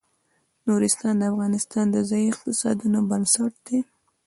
نورستان د افغانستان د ځایي اقتصادونو بنسټ دی.